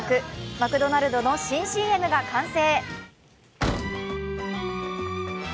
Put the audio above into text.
マクドナルドの新ＣＭが完成。